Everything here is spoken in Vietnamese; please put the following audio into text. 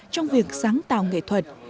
trong việc sáng tạo nghệ thuật